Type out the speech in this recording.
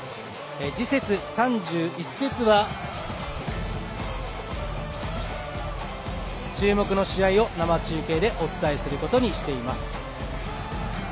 次節３１節は注目の試合を生中継でお伝えすることにしています。